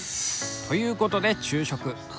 ということで昼食。